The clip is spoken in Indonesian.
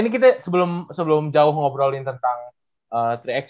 ini kita sebelum jauh ngobrolin tentang tiga x